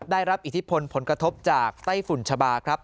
ได้รับอิทธิพลผลกระทบจากไต้ฝุ่นชะบาครับ